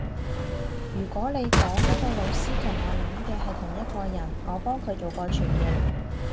如果你講嗰個老師同我諗嘅係同一個人，我幫佢做過傳譯